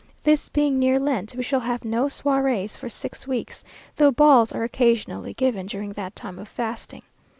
This being near Lent, we shall have no soirées for six weeks, though balls are occasionally given during that time of fasting.